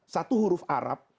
satu huruf arab